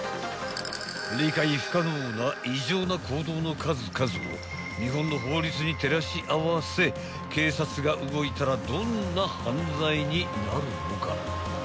［理解不可能な異常な行動の数々を日本の法律に照らし合わせ警察が動いたらどんな犯罪になるのか］